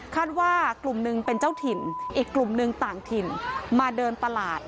ว่ากลุ่มหนึ่งเป็นเจ้าถิ่นอีกกลุ่มหนึ่งต่างถิ่นมาเดินตลาด